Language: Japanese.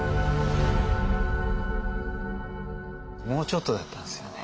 もうちょっとだったんですよね。